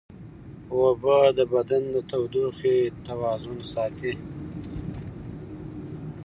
اوبه د بدن د تودوخې توازن ساتي